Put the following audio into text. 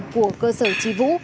của cơ sở tri vũ